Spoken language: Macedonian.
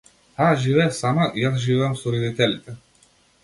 Таа живее сама, јас живеам со родителите.